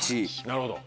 なるほど。